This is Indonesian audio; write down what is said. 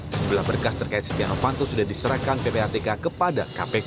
sejumlah berkas terkait setia novanto sudah diserahkan ppatk kepada kpk